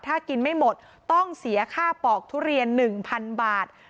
ถ้ากินไม่หมดต้องเสียค่าปอกทุเรียน๑๐๐๐บาท